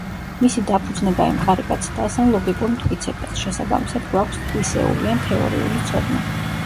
მისი დაფუძნება ემყარება ცდას ან ლოგიკურ მტკიცებას, შესაბამისად გვაქვს ცდისეული ან თეორიული ცოდნა.